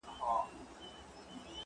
پرون یې بیا له هغه ښاره جنازې وایستې !.